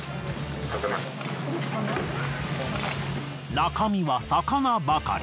中身は魚ばかり。